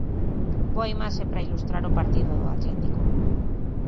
Boa imaxe pra ilustrar o partido do Atlético.